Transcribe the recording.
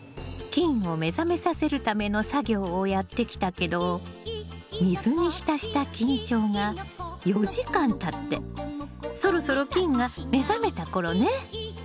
菌を目覚めさせるための作業をやってきたけど水に浸した菌床が４時間たってそろそろ菌が目覚めた頃ね。